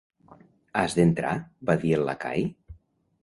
"Has d'entrar?" Va dir el lacai.